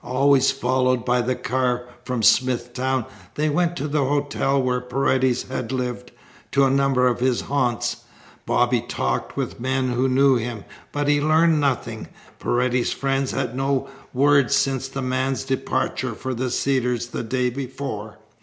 Always followed by the car from Smithtown, they went to the hotel where Paredes had lived, to a number of his haunts. Bobby talked with men who knew him, but he learned nothing. Paredes's friends had had no word since the man's departure for the Cedars the day before.